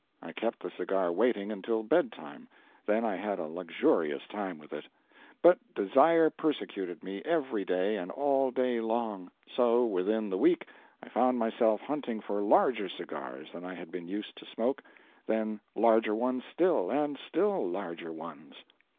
I kept the cigar waiting until bedtime, then I had a luxurious time with it. But desire persecuted me every day and all day long; so, within the week I found myself hunting for larger cigars than I had been used to smoke; then larger ones still, and still larger ones.